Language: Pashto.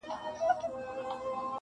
• توتکۍ خبره راوړله پر شونډو -